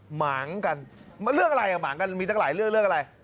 หมางกันเรื่องอะไรหมางกันมีทั้งหลายเรื่องอะไร